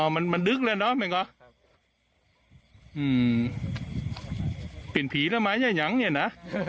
อ๋อมันมันดึกแล้วเนอะแม่งอ๋ออืมเป็นผีแล้วไหมยังยังเนี่ยน่ะ